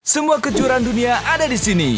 semua kejuaraan dunia ada di sini